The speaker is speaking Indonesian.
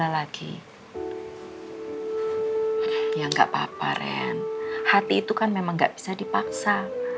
ya nggak apa apa ren hati itu kan memang nggak bisa dipaksa